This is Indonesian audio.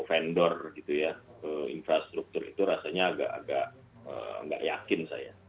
vendor gitu ya infrastruktur itu rasanya agak agak nggak yakin saya